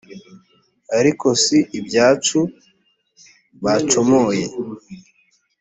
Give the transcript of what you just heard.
ariko si ibyacu bacomoye